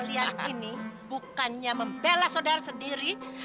lihat ini bukannya membela saudara sendiri